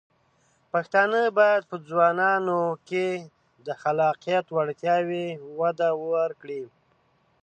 پښتانه بايد په ځوانانو کې د خلاقیت وړتیاوې وده ورکړي.